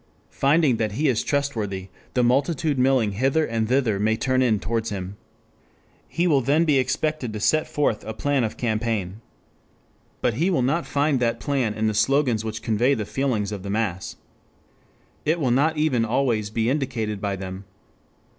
Finding that he is trustworthy, the multitude milling hither and thither may turn in towards him. He will then be expected to set forth a plan of campaign. But he will not find that plan in the slogans which convey the feelings of the mass. It will not even always be indicated by them.